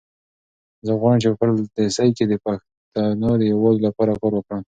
زه غواړم چې په پردیسۍ کې د پښتنو د یووالي لپاره کار وکړم.